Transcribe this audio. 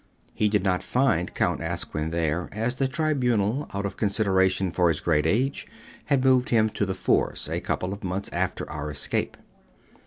He did not find Count Asquin there, as the Tribunal, out of consideration for his great age, had moved him to The Fours a couple of months after our escape.